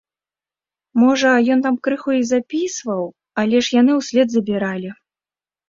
Можа, ён там крыху і запасвіў, але ж яны ўслед забіралі.